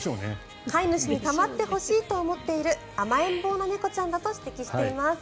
飼い主に構ってほしいと思っている甘えん坊な猫ちゃんだと指摘しています。